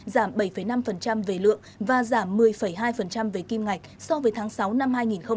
giảm bảy năm về lượng và giảm một mươi hai về kim ngạch so với tháng sáu năm hai nghìn hai mươi